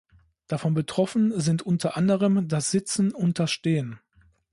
Davon betroffen sind unter anderem das Sitzen und das Stehen.